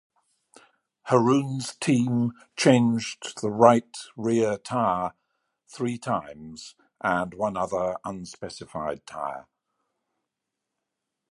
Harroun's team changed the right rear tire three times, and one other unspecified tire.